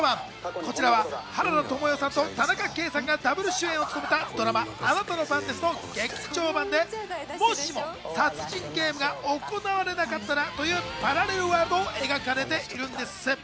こちらは原田知世さんと田中圭さんがダブル主演を務めたドラマ『あなたの番です』の劇場版で、もしも殺人ゲームが行われなかったらというパラレルワールドが描かれています。